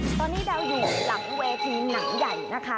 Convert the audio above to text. ตอนนี้ดาวอยู่หลังเวทีหนังใหญ่นะคะ